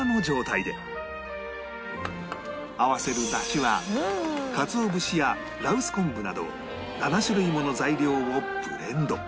合わせる出汁は鰹節や羅臼昆布など７種類もの材料をブレンド